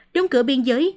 đóng cửa biên giới